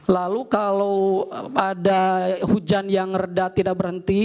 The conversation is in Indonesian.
lalu kalau ada hujan yang reda tidak berhenti